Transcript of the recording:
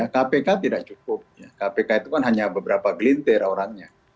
kpk tidak cukup kpk itu kan hanya beberapa gelintir orangnya